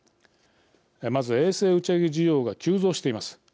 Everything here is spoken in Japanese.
まず、衛星打ち上げ需要が急増しています。